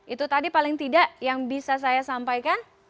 itu tadi paling tidak yang bisa saya sampaikan